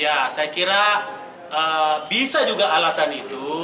ya saya kira bisa juga alasan itu